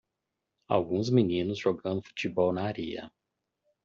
Alguns meninos jogando futebol na areia